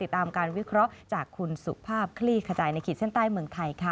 ตามการวิเคราะห์จากคุณสุภาพคลี่ขจายในขีดเส้นใต้เมืองไทยค่ะ